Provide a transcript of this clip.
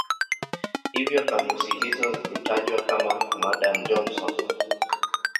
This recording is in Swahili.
Hivyo kamusi hizo hutajwa kama "Madan-Johnson".